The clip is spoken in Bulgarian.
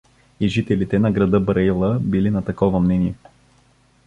И жителите на града Браила били на такова мнение.